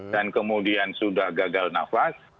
dan kemudian sudah gagal nafas